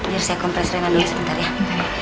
biar saya kompres rena dia sebentar ya